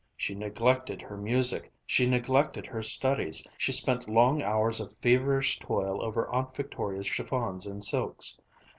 She neglected her music, she neglected her studies; she spent long hours of feverish toil over Aunt Victoria's chiffons and silks.